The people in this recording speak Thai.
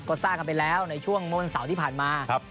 ก็สร้างกันไปแล้วในช่วงเมื่อวันเสาร์ที่ผ่านมา